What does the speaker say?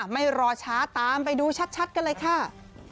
ไม่รอช้าตามไปดูชัดกันเลยค่ะ